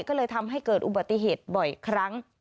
ก็เลยทำให้เกิดอุบัติเหตุบ่อยครั้ง